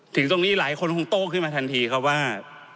ถึงตรงนี้หลายคนคงโต้ขึ้นมาทันทีครับว่า